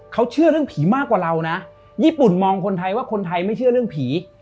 เขาเชื่อเรื่องผีมากกว่าเรานะญี่ปุ่นมองคนไทยว่าคนไทยไม่เชื่อเรื่องผี